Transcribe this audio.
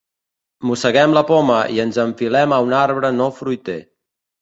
Mosseguem la poma i ens enfilem a un arbre no fruiter.